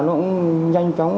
nó cũng nhanh chóng